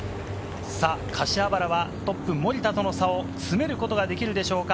柏原はトップ・森田との差を詰めることができるでしょうか。